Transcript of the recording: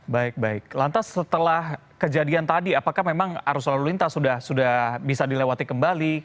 baik baik lantas setelah kejadian tadi apakah memang arus lalu lintas sudah bisa dilewati kembali